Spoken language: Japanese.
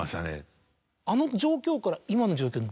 あの状況から今の状況で。